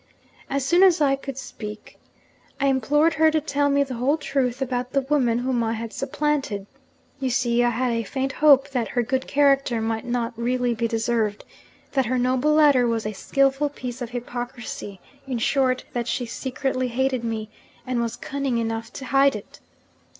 As soon I could speak, I implored her to tell me the whole truth about the woman whom I had supplanted. You see, I had a faint hope that her good character might not really be deserved, that her noble letter was a skilful piece of hypocrisy in short, that she secretly hated me, and was cunning enough to hide it.